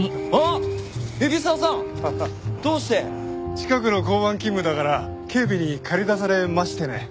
近くの交番勤務だから警備に駆り出されましてね。